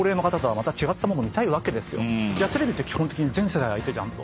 テレビって基本的に全世代相手じゃんと。